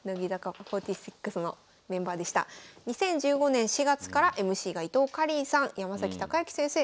２０１５年４月からＭＣが伊藤かりんさん山崎隆之先生